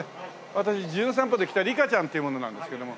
私『じゅん散歩』で来たリカちゃんという者なんですけども。